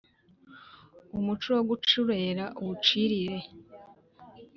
umuco wo gucurera uwucirire